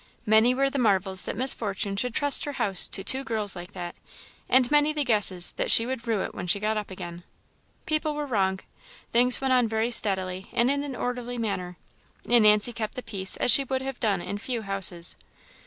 Many were the marvels that Miss Fortune should trust her house to "two girls like that," and many the guesses that she would rue it when she got up again. People were wrong. Things went on very steadily, and in an orderly manner; and Nancy kept the peace as she would have done in few houses.